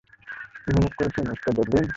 উপভোগ করছেন, mister Devlin?